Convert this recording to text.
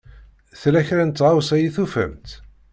Tella kra n tɣawsa i tufamt?